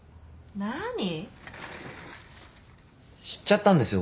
知っちゃったんですよ